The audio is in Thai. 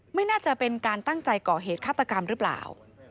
ไม่น่าจะเป็นการตั้งใจก่อเหตุฆาตกรรมหรือเปล่า